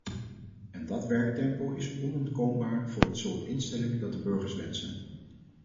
En dat werktempo is onontkoombaar voor het soort instelling dat de burgers wensen.